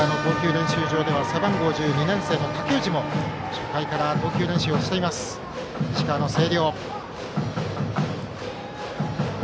練習場では背番号１０、２年生の武内も初回から投球練習をしている石川の星稜。